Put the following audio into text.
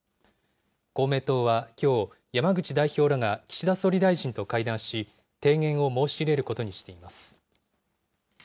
公明党はきょう、山口代表らが岸田総理大臣と会談し、提言を申し入れることにしています。